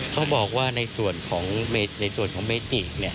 เขาบอกว่าในส่วนของเมจิกเนี่ย